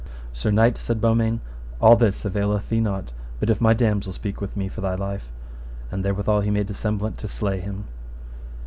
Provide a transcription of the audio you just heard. Sir knight, said Beaumains, all this availeth thee not, but if my damosel speak with me for thy life. And therewithal he made a semblant to slay him.